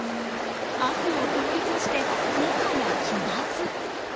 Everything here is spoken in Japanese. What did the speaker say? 悪を通り越してもはや奇抜。